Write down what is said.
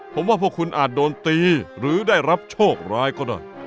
ผมว่าพวกคุณอาจโดนตีหรือได้รับโชคร้ายก็ได้